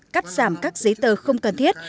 cắt giảm các giấy tờ không cần thiết